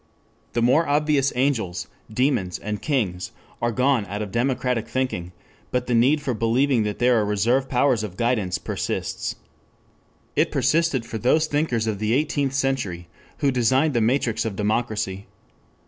The more obvious angels, demons, and kings are gone out of democratic thinking, but the need for believing that there are reserve powers of guidance persists. It persisted for those thinkers of the Eighteenth Century who designed the matrix of democracy.